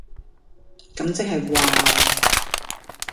咁即係話...